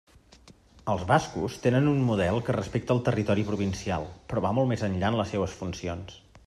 Els bascos tenen un model que respecta el territori provincial però va molt més enllà en les seues funcions.